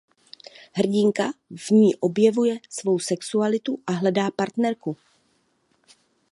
Hrdinka v ní objevuje svou sexualitu a hledá partnerku.